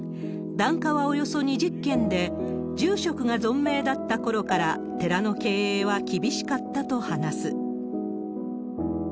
檀家はおよそ２０軒で、住職が存命だったころから、寺の経営は厳しかったと話す。